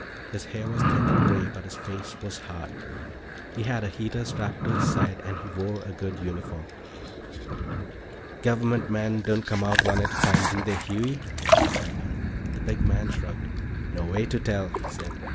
His hair was thin and gray but his face was hard. He had a heater strapped to his side, and he wore a good uniform. "Government men don't come out one at a time, do they, Huey?" he said. The big man shrugged. "No way to tell," he said.